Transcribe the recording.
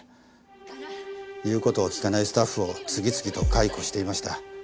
言う事を聞かないスタッフを次々と解雇していました。